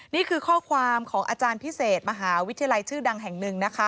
นี่คือข้อความของอาจารย์พิเศษมหาวิทยาลัยชื่อดังแห่งหนึ่งนะคะ